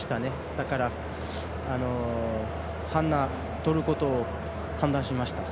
だから、ハナをとることを判断しました。